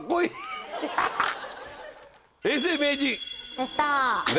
やったー！